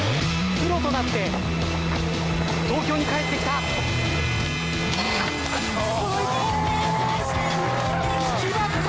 プロとなって東京に帰ってきた。